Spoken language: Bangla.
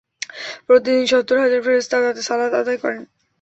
প্রতিদিন সত্তর হাজার ফেরেশতা তাতে সালাত আদায় করেন।